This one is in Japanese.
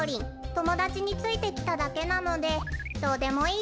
ともだちについてきただけなのでどうでもいいです。